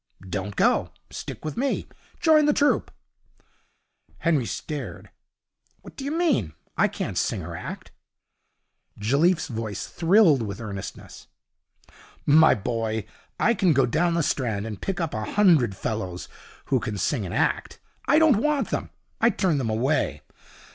'Don't go. Stick with me. Join the troupe.' Henry stared. 'What do you mean? I can't sing or act.' Jelliffe's voice thrilled with earnestness. 'My boy, I can go down the Strand and pick up a hundred fellows who can sing and act. I don't want them. I turn them away.